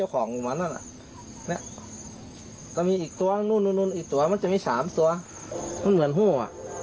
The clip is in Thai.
ก็มีอีกตัวนู่นอีกตัวมันจะมี๓ตัวมันเหมือนหัว